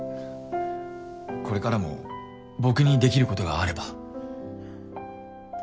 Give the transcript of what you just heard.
これからも僕にできることがあれば。